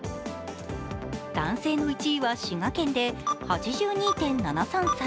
男性の１位は滋賀県で８２．７３歳。